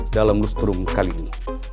dalam lustrum kali ini